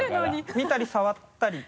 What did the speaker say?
見たり触ったり。